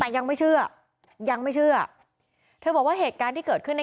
แต่ยังไม่เชื่อยังไม่เชื่อเธอบอกว่าเหตุการณ์ที่เกิดขึ้นใน